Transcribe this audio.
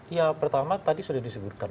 ya pertama tadi sudah disebutkan